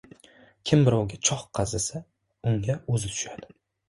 • Kim birovga chox qazisa, unga o‘zi tushadi.